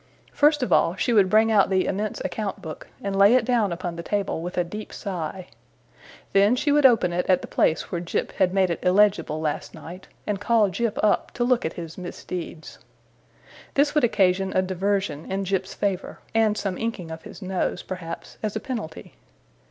First of all, she would bring out the immense account book, and lay it down upon the table, with a deep sigh. Then she would open it at the place where Jip had made it illegible last night, and call Jip up, to look at his misdeeds. This would occasion a diversion in Jip's favour, and some inking of his nose, perhaps, as a penalty.